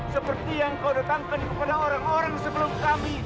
seperti yang kau datangkan kepada orang orang sebelum kami